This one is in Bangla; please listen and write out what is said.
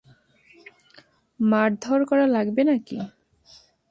মারধর করা লাগবে নাকি?